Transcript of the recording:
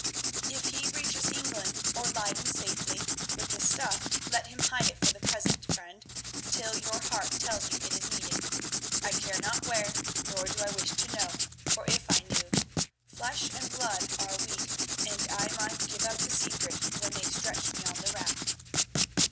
"If he reaches England or Leyden safely with the stuff let him hide it for the present, friend, till your heart tells you it is needed. I care not where, nor do I wish to know, for if I knew, flesh and blood are weak, and I might give up the secret when they stretch me on the rack.